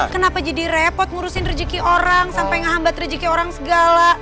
kenapa jadi repot ngurusin rezeki orang sampai ngehambat rezeki orang segala